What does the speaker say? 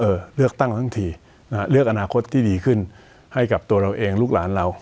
เลือกตั้งทั้งทีนะฮะเลือกอนาคตที่ดีขึ้นให้กับตัวเราเองลูกหลานเรา